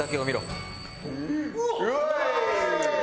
ウエーイ！